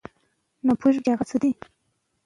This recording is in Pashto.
که کنفرانس وي نو نظر نه ورک کیږي.